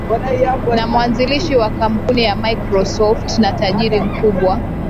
na mwanzilishi wa kampuni ya microsoft na tajiri mkubwa